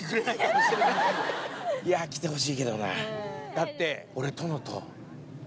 だって俺。